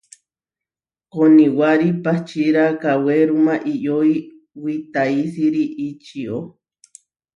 Koniwári pahčíra kawéruma iʼyói witaísiri ičió.